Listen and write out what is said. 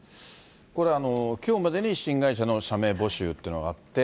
これ、きょうまでに新会社の社名募集っていうのがあって。